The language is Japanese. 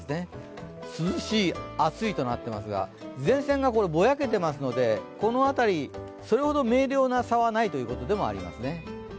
涼しい、暑いとなっていますが前線がぼやけてますのでこの辺り、それほど明瞭な差はないということになりますね。